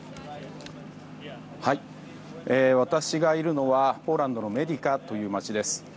私がいるのはポーランドのメディカという街です。